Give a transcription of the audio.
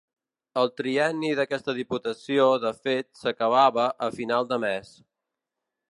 El trienni d'aquesta Diputació de fet s'acabava a final de mes.